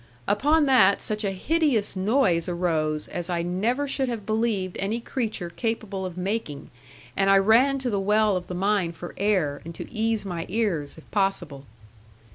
Upon that such a hideous noise arose, as I never should have believed any creature capable of making, and I ran to the well of the mine for air, and to ease my ears, if possible.